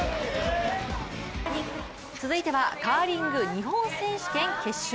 続いてはカーリング日本選手権決勝。